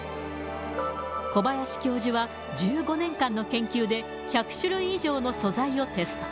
小林教授は、１５年間の研究で、１００種類以上の素材をテスト。